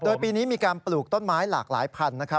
โดยปีนี้มีการปลูกต้นไม้หลากหลายพันธุ์นะครับ